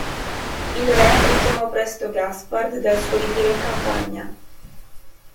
Il re richiamò presto Gaspard dal suo ritiro in campagna.